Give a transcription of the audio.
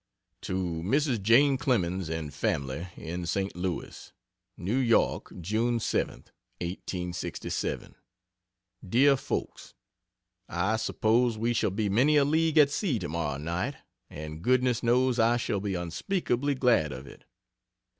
To Mrs. Jane Clemens and family in St. Louis: NEW YORK, June 7th, 1867. DEAR FOLKS, I suppose we shall be many a league at sea tomorrow night, and goodness knows I shall be unspeakably glad of it.